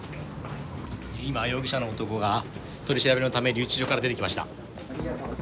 今、容疑者の男が取り調べのため留置所から出てきました。